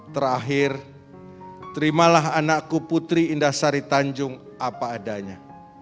terakhir terimalah anakku putri indah sari tanjung apa adanya